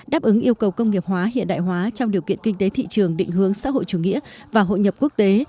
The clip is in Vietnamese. đáp ứng yêu cầu công nghiệp hóa hiện đại hóa trong điều kiện kinh tế thị trường định hướng xã hội chủ nghĩa và hội nhập quốc tế